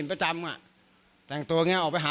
ก็เลยไม่รู้ว่าวันเกิดเหตุคือมีอาการมืนเมาอะไรบ้างหรือเปล่า